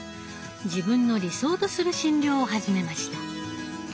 自分の理想とする診療を始めました。